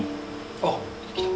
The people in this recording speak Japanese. ・あっきた！